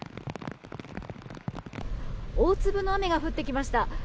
大粒の雨が降ってきました。